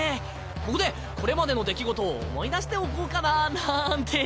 ここでこれまでの出来事を思い出しておこうかななんて